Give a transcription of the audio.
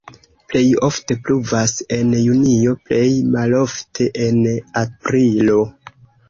Plej ofte pluvas en junio, plej malofte en aprilo.